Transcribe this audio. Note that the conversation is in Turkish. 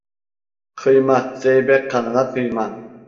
Kıyma, zeybek kanına kıyma…